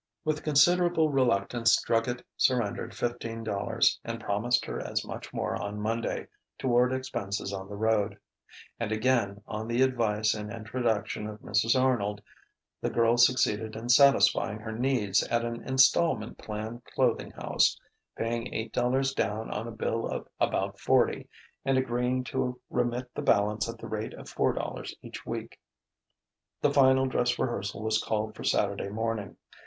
With considerable reluctance Druggett surrendered fifteen dollars, and promised her as much more on Monday, toward expenses on the road. And again on the advice and introduction of Mrs. Arnold, the girl succeeded in satisfying her needs at an instalment plan clothing house: paying eight dollars down on a bill of about forty and agreeing to remit the balance at the rate of four dollars each week. The final dress rehearsal was called for Saturday morning.